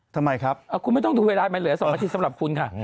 ทำไมครับคุณไม่ต้องดูเวลามันเหลือ๒อาทิตย์สำหรับคุณค่ะ